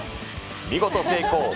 見事成功。